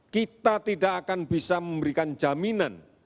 kita tidak akan bisa memberikan jaminan